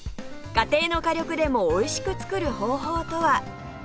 家庭の火力でもおいしく作る方法とは？